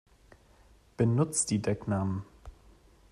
Benutzt die Decknamen!